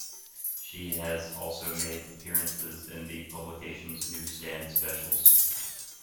She has also made appearances in the publication's newsstand specials.